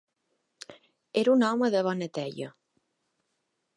Era un home de bona teia.